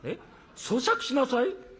そしゃくしなさい。